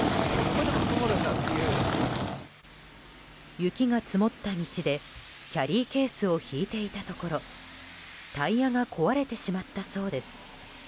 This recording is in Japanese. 雪が積もった道でキャリーケースを引いていたところタイヤが壊れてしまったそうです。